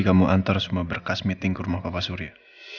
kamu antar semua berkas meeting ke rumah bapak surya